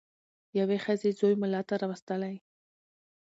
یوې ښځي زوی مُلا ته راوستلی